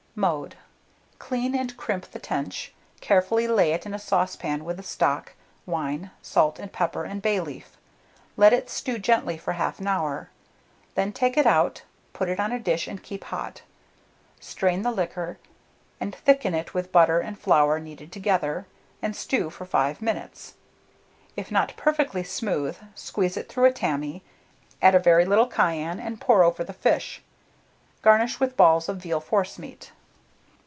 Mode. Clean and crimp the tench; carefully lay it in a stewpan with the stock, wine, salt and pepper, and bay leaf; let it stew gently for 1/2 hour; then take it out, put it on a dish, and keep hot. Strain the liquor, and thicken it with butter and flour kneaded together, and stew for 5 minutes. If not perfectly smooth, squeeze it through a tammy, add a very little cayenne, and pour over the fish. Garnish with balls of veal forcemeat.